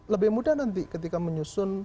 lebih mudah nanti ketika menyusun